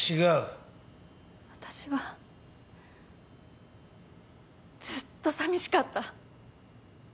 私はずっとさみしかった。